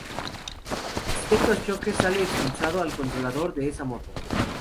Ciertos choques sale expulsado al controlador de esa moto.